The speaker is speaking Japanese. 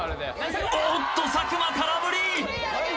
おっと佐久間空振り！